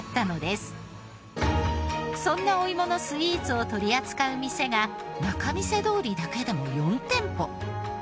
そんなお芋のスイーツを取り扱う店が仲見世通りだけでも４店舗。